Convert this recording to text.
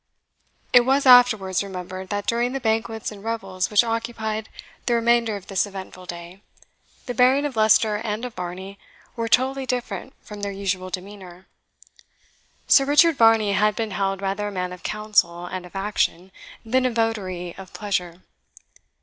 It was afterwards remembered that during the banquets and revels which occupied the remainder of this eventful day the bearing of Leicester and of Varney were totally different from their usual demeanour. Sir Richard Varney had been held rather a man of counsel and of action than a votary of pleasure.